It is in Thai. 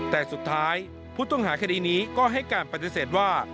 แต่สุดท้ายผู้ต้องหาคดีนี้ก็ให้การปฏิเสธว่า